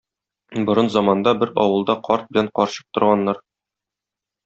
Борын заманда бер авылда карт белән карчык торганнар.